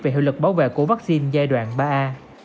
về hiệu lực bảo vệ của vaccine giai đoạn ba a